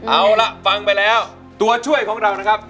เอาล่ะฟังไปแล้วตัวช่วยของเรานะครับ